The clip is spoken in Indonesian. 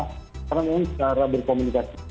karena memang secara berkomunikasi